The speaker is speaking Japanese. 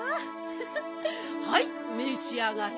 ハハッはいめしあがれ。